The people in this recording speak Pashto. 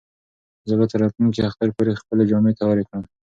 زه به تر راتلونکي اختر پورې خپلې جامې تیارې کړم.